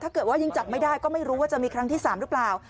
ยังจับไม่ได้ก็ไม่รู้ว่าจะมีครั้งที่๓หรือเปล่า